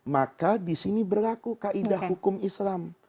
maka disini berlaku kaidah hukum islam